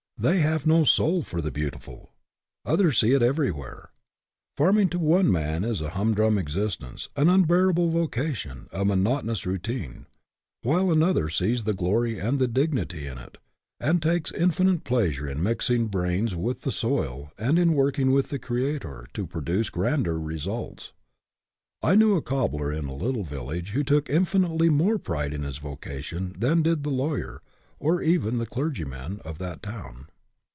They have no soul for the beautiful. Others see it everywhere. Farming to one man is a humdrum existence, an unbearable voca tion, a monotonous routine ; while another sees the glory and the dignity in it, and takes in finite pleasure in mixing brains with the soil and in working with the Creator to produce grander results. I knew a cobbler in a little village who took infinitely more pride in his vocation than did the lawyer, or even the clergyman, of that town.